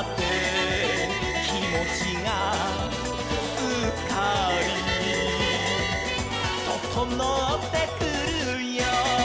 「きもちがすっかり」「ととのってくるよ」